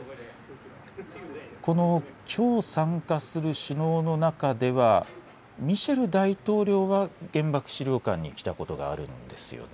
このきょう参加する首脳の中では、ミシェル大統領は原爆資料館に来たことがあるんですよね。